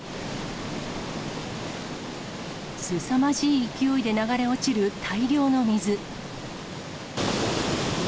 すさまじい勢いで流れ落ちる大量の水。